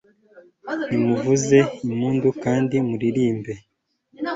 nimuvuze impundu kandi muririmbe